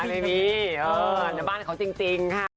กระต่ายไม่มีแต่บ้านเขาจริงค่ะ